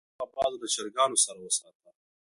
هغه باز له چرګانو سره وساته.